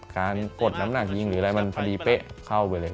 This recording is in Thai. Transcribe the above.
กดน้ำหนักยิงหรืออะไรมันพอดีเป๊ะเข้าไปเลย